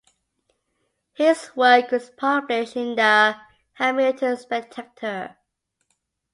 His work was published in The Hamilton Spectator.